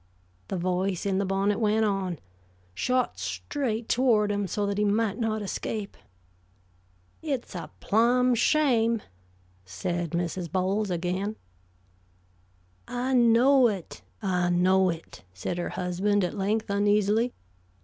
The voice in the bonnet went on, shot straight toward him, so that he might not escape. "It's a plumb shame," said Mrs. Bowles again. "I know it, I know it," said her husband at length, uneasily.